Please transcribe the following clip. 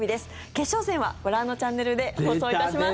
決勝戦は、ご覧のチャンネルで放送いたします。